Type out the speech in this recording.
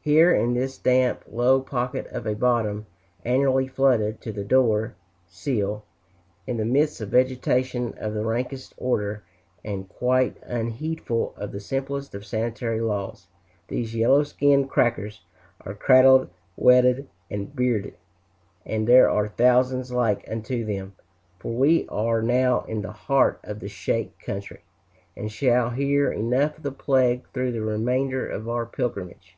Here in this damp, low pocket of a bottom, annually flooded to the door sill, in the midst of vegetation of the rankest order, and quite unheedful of the simplest of sanitary laws, these yellow skinned "crackers" are cradled, wedded, and biered. And there are thousands like unto them, for we are now in the heart of the "shake" country, and shall hear enough of the plague through the remainder of our pilgrimage.